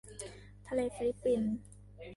ทะเลฟิลิปปิน